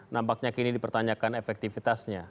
nampaknya kini dipertanyakan efektivitasnya